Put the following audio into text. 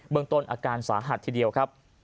เมืองต้นอาการสาหัสทีเดียวครับ